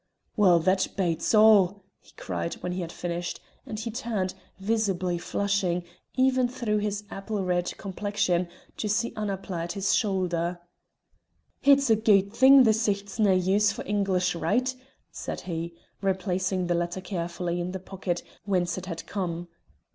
"Weel, that bates a'!" he cried when he had finished, and he turned, visibly flushing, even through his apple red complexion, to see Annapla at his shoulder. "It's a guid thing the Sicht's nae use for English write," said he, replacing the letter carefully in the pocket whence it had come.